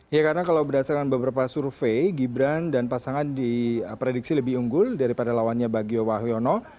ya karena kalau berdasarkan beberapa survei gibran dan pasangan diprediksi lebih unggul daripada lawannya bagio wahyono